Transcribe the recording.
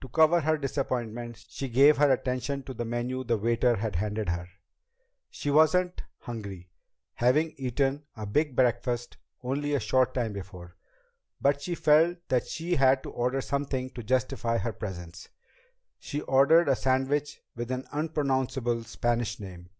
To cover her disappointment, she gave her attention to the menu the waiter had handed her. She wasn't hungry, having eaten a big breakfast only a short time before, but she felt that she had to order something to justify her presence. She ordered a sandwich with an unpronounceable Spanish name.